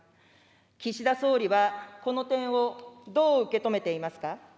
岸田総理は、この点をどう受け止めていますか。